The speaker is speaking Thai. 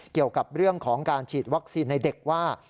เกี่ยวกับเรื่องของการฉีดวัคซีนในเด็กว่า